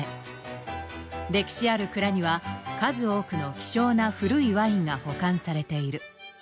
歴史ある蔵には数多くの希少な古いワインが保管されている。